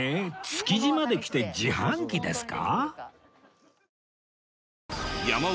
築地まで来て自販機ですか？